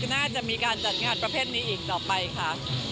น่าจะมีการจัดงานประเภทนี้อีกต่อไปค่ะ